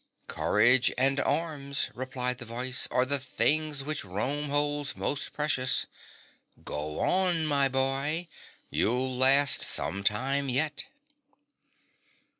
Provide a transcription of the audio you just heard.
' Courage and arms,' replied the voice, 'are the things which Rome holds most precious. Go on, my boy ; you'll last some time yet.'